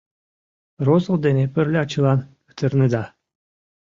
Розов дене пырля чылан петырнеда.